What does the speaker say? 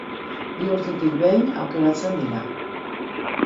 Bi urtetik behin aukeratzen dira.